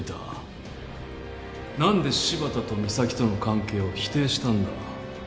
何で柴田と三崎との関係を否定したんだ？